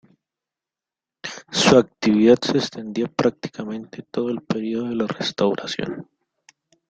Su actividad se extendió prácticamente todo el período de la Restauración.